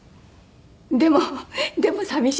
でもでも寂しいですね。